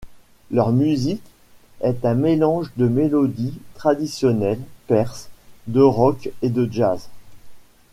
Leur musique est un mélange de mélodie traditionnelle perse, de rock et de jazz.